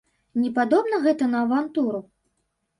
Не падобна гэта на авантуру?